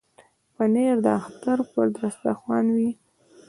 پنېر د اختر پر دسترخوان وي.